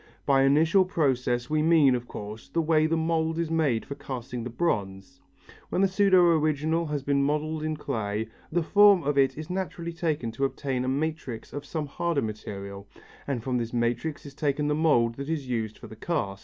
By initial process we mean, of course, the way the mould is made for casting the bronze. When the pseudo original has been modelled in clay, the form of it is naturally taken to obtain a matrix of some harder material, and from this matrix is taken the mould that is used for the cast.